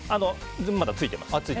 まだついています。